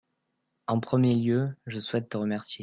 en premier lieu je souhaite te remercier.